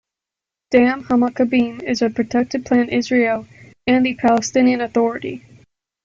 Dam Hamakabim is a protected plant in Israel and the Palestinian Authority.